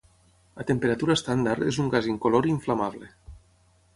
A temperatura estàndard és un gas incolor i inflamable.